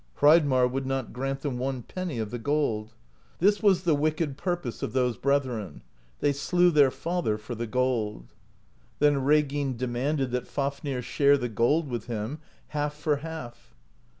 Hreidmarr would not grant them one penny of the gold. This was the wicked purpose of those brethren: they slew their father for the gold. Then Reginn demanded that Fafnir share the gold with him, half for half.